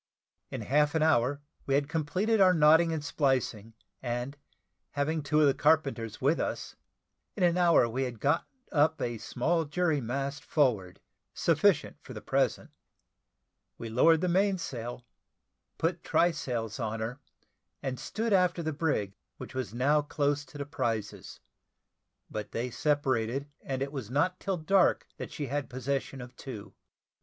In half an hour, we had completed our knotting and splicing, and having two of the carpenters with us, in an hour we had got up a small jury mast forward, sufficient for the present. We lowered the mainsail, put try sails on her, and stood after the brig, which was now close to the prizes: but they separated, and it was not till dark that she had possession of two.